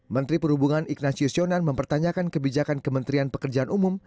menteri perhubungan ignatius yonan mempertanyakan kebijakan kementerian pekerjaan umum